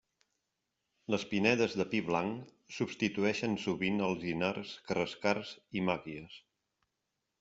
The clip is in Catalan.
Les pinedes de pi blanc substitueixen sovint alzinars, carrascars i màquies.